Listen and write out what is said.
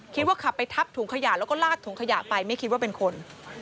คิดว่าขับไปทับถุงขยะแล้วก็ลากถุงขยะไปไม่คิดว่าเป็นคน